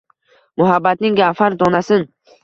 Muhabbatning gavhar donasin —